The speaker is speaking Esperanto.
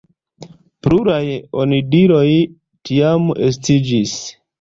Pluraj onidiroj tiam estiĝis.